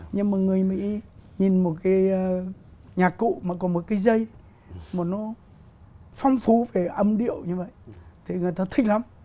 nhưng mà người mỹ nhìn một cái nhạc cụ mà có một cái dây mà nó phong phú về âm điệu như vậy thì người ta thích lắm